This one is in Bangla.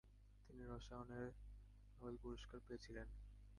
তিনি রসায়নের নোবেল পুরস্কার পেয়েছিলেন ।